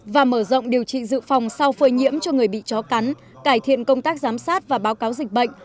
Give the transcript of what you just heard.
và mở rộng điều trị dự phòng sau phơi nhiễm cho người bị chó cắn cải thiện công tác giám sát và báo cáo dịch bệnh